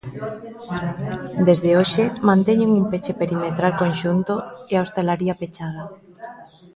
Desde hoxe manteñen un peche perimetral conxunto e a hostalería pechada.